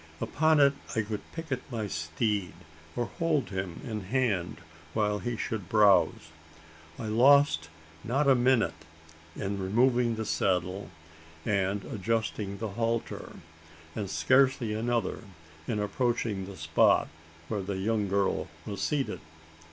Upon it I could picket my steed, or hold him in hand, while he should browse? I lost not a minute in removing the saddle, and adjusting the halter; and scarcely another in approaching the spot where the young girl was seated.